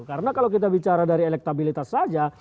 karena kalau kita bicara dari elektabilitas saja